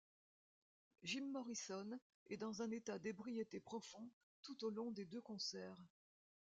Jim Morrison est dans un état d'ébriété profond tout au long des deux concerts.